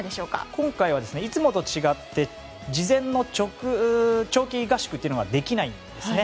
今回はいつもと違って事前の長期合宿というのができないんですね。